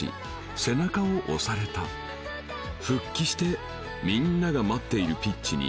「背中を押された」「復帰して」「みんなが待っているピッチに」